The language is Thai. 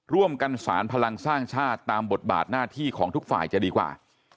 ร่วมกันสารพลังสร้างชาติตามบทบาทหน้าที่ของทุกฝ่ายจะดีกว่า